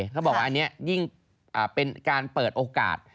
เขาบอกว่าอันนี้ยิ่งเป็นการเปิดโอกาส